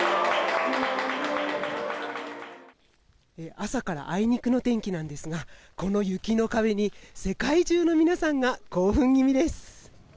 朝からあいにくの天気なんですがこの雪の壁に世界中の皆さんが興奮気味です。